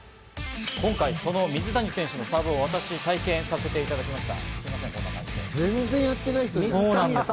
今回、その水谷選手のサーブを私も体験させていただきました。